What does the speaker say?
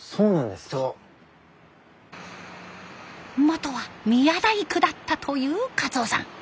元は宮大工だったという勝雄さん。